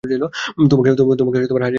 তোমাকে হারিয়ে ফেলেছিলাম।